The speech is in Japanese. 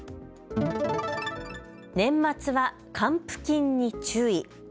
年末は還付金に注意。